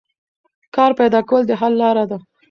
کار پیدا کول د حل لار ده.